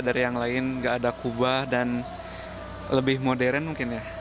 dari yang lain gak ada kubah dan lebih modern mungkin ya